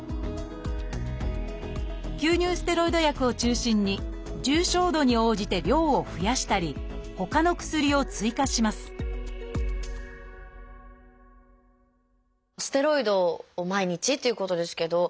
吸入ステロイド薬を中心に重症度に応じて量を増やしたりほかの薬を追加しますステロイドを毎日っていうことですけど